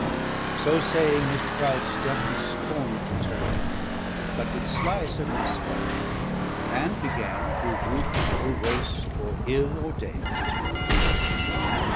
So saying, his proud step he scornful turn'd, But with sly circumspection, and began Through wood, through waste, o're hil, o're dale his roam.